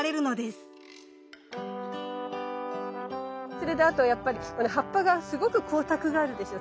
それであとはやっぱりこの葉っぱがすごく光沢があるでしょう。